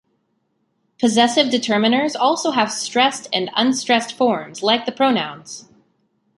Possessive determiners also have stressed and unstressed forms, like the pronouns.